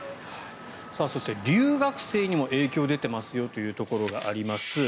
そして、留学生にも影響が出ていますよというところがあります。